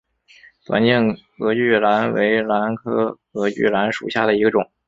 短茎隔距兰为兰科隔距兰属下的一个种。